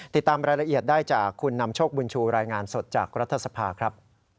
ติดตามรายละเอียดได้จากคุณนำโชคบุญชูรายงานสดจากรัฐสภาครับ